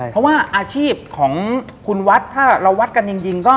เพราะว่าอาชีพของคุณวัดถ้าเราวัดกันจริงก็